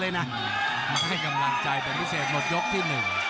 ไม่ได้กำลังใจเป็นพิเศษหมดยกที่๑